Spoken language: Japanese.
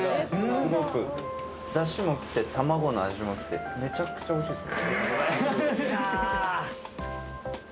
すごく、だしもきてて、めちゃくちゃおいしいです。